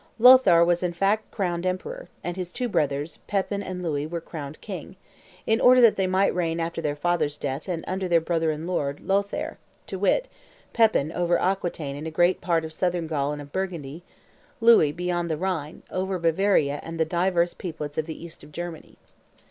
Lothaire was in fact crowned emperor; and his two brothers, Pepin and Louis, were crowned king, "in order that they might reign, after their father's death and under their brother and lord, Lothaire, to wit: Pepin, over Aquitaine and a great part of Southern Gaul and of Burgundy; Louis, beyond the Rhine, over Bavaria and the divers peoplets in the east of Germany."